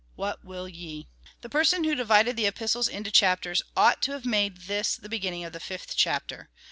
What will ye ? The person who divided the Ejjistles into chapters ought to have made this the beginning of the fifth chapter.